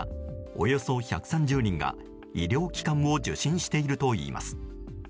およそ１３０人が医療機関を受診しているといいます。